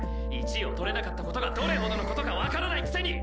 １位を取れなかった事がどれほどの事かわからないくせに！